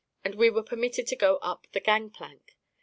and we were permitted to go up the gangplank.